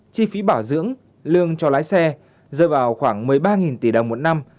chi phí bảo dưỡng lương cho lái xe rơi vào khoảng một mươi ba tỷ đồng một năm